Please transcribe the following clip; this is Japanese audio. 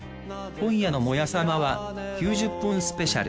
今夜の「モヤさま」は９０分スペシャル。